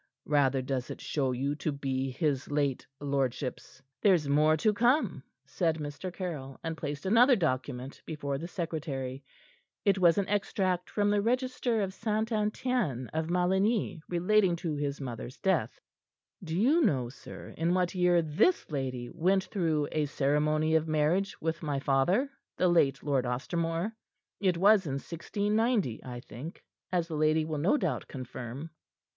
Rather does it show you to be his late lordship's " "There's more to come," said Mr. Caryll, and placed another document before the secretary. It was an extract from the register of St. Etienne of Maligny, relating to his mother's death. "Do you know, sir, in what year this lady went through a ceremony of marriage with my father the late Lord Ostermore? It was in 1690, I think, as the lady will no doubt confirm."